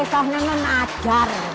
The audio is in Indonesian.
awalnya saya menenun ajar